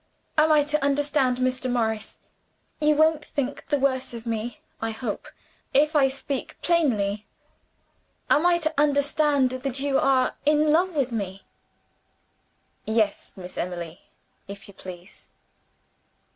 Am I to understand, Mr. Morris you won't think the worse of me, I hope, if I speak plainly am I to understand that you are in love with me?" "Yes, Miss Emily if you please."